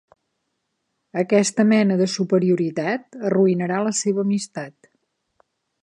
Aquesta mena de superioritat arruïnarà la seva amistat.